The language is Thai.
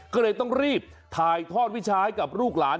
ก็เลยต้องรีบถ่ายทอดวิชาให้กับลูกหลาน